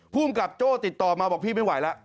ภูมิกับโจ้ติดต่อมาบอกพี่ไม่ไหวแล้ว